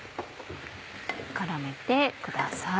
絡めてください。